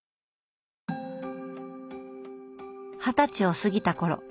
二十歳を過ぎた頃。